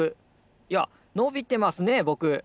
いやのびてますねぼく。